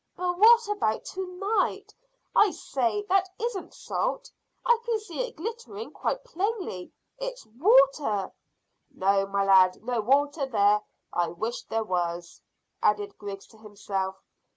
"But what about to night? I say, that isn't salt. I can see it glittering quite plainly; it's water." "No, my lad; no water there. I wish there was," added Griggs to himself.